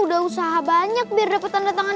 udah usaha banyak biar dapat tanda tangan